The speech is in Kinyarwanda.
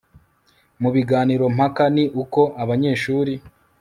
mu biganirompaka ni uko abanyeshuri